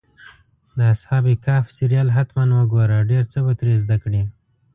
د اصحاب کهف سریال حتماً وګوره، ډېر څه به ترې زده کړې.